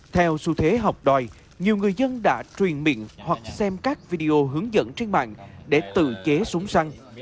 theo xu thế học đòi nhiều người dân đã truyền miệng hoặc xem các video hướng dẫn trên mạng để tự chế súng săn